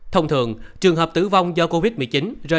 thông thường trường hợp tử vong do covid một mươi chín rơi vào nhiễm